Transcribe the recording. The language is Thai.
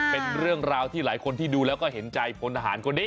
เป็นเรื่องราวที่หลายคนที่ดูแล้วก็เห็นใจพลทหารคนนี้